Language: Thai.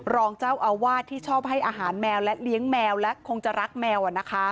รองเจ้าอาวาสที่ชอบให้อาหารแมวและเลี้ยงแมวและคงจะรักแมว